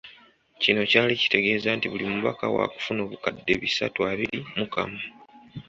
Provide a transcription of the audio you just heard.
Kino kyali kitegeeza nti buli mubaka waakufuna obukadde bisatu abiri mu kamu.